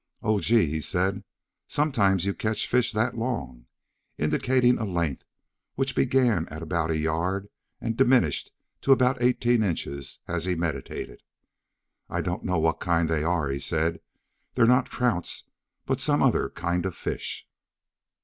"Oh, gee!" he said. "Sometimes you catch fish that long," indicating a length which began at about a yard and diminished to about eighteen inches as he meditated. "I don't know what kind they are," he said. "They're not trouts, but some other kind of fish."